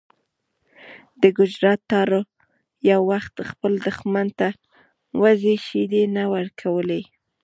د ګجرات تارړ یو وخت خپل دښمن ته د وزې شیدې نه ورکولې.